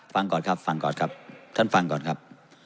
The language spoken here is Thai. ฟังก่อนครับฟังก่อนครับท่านฟังก่อนครับ